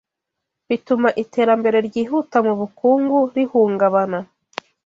bituma iterambere ryihuta mu bukungu rihungabana